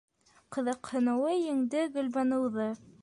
Ҡыҙыҡһыныуы еңде Гөлбаныуҙы.